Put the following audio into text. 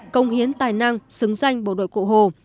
công hiến tài năng xứng danh bộ đội cụ hồ